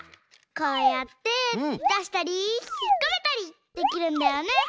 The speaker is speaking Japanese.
こうやってだしたりひっこめたりできるんだよね。